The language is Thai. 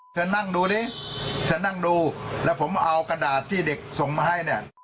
เธอนั่งดูดิเธอนั่งดูแล้วผมเอากระดาษที่เด็กส่งมาให้เนี่ย